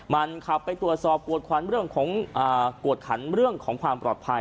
มันเข้าไปตรวจสอบกรวจความเรื่องของอ่ากรวจขันเรื่องของความปลอดภัย